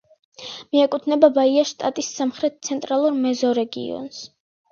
მიეკუთვნება ბაიას შტატის სამხრეთ-ცენტრალურ მეზორეგიონს.